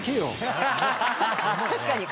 確かに。